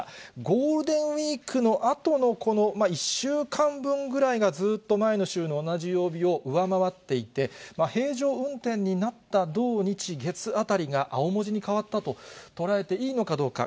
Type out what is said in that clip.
ゴールデンウィークのあとのこの１週間分ぐらいが、ずっと前の週の同じ曜日を上回っていて、平常運転になった、土、日、月あたりが青文字に変わったと捉えていいのかどうか。